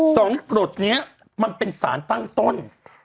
สองกดเนี่ยมันเป็นสารตั้งต้น